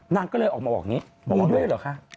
นางก็เลยออกมาบอกอย่างนี้มีด้วยเหรอคะ